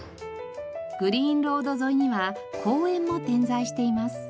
グリーンロード沿いには公園も点在しています。